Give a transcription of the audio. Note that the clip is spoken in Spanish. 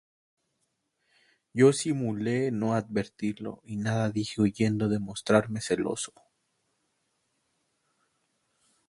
yo simulé no advertirlo, y nada dije, huyendo de mostrarme celoso.